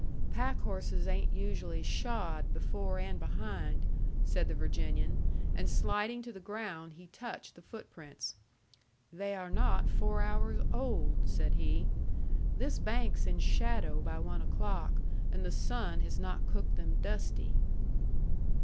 "Packhorses ain't usually shod before and behind," said the Virginian; and sliding to the ground he touched the footprints. "They are not four hours old," said he. "This bank's in shadow by one o'clock, and the sun has not cooked them dusty."